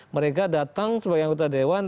mereka datang sebagai anggota dewan